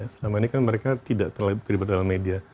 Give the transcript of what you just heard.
selama ini kan mereka tidak terlibat dalam media